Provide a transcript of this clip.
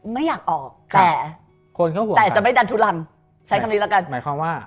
ไม่อยากออกแต่จะไม่ดันทุนลังใช้คำนี้ละกัน